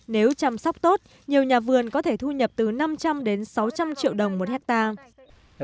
nếu chăm sóc tốt nhiều nhà vườn có thể thu nhập từ năm trăm linh đến sáu trăm linh triệu đồng một hectare